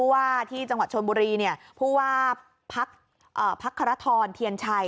ว่าที่จังหวัดชนบุรีเนี่ยนี่พูดว่าผักอ่าพักฯธรรทร